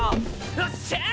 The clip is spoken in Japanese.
おっしゃー！